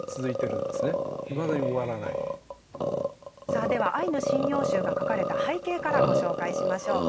さあでは「アイヌ神謡集」が書かれた背景からご紹介しましょう。